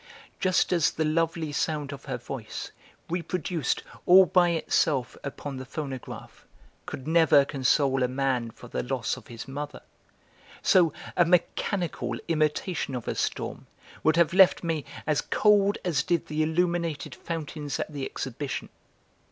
Just as the lovely sound of her voice, reproduced, all by itself, upon the phonograph, could never console a man for the loss of his mother, so a mechanical imitation of a storm would have left me as cold as did the illuminated fountains at the Exhibition.